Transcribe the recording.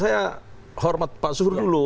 saya hormat pak suhur dulu